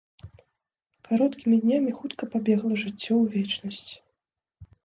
Кароткімі днямі хутка пабегла жыццё ў вечнасць.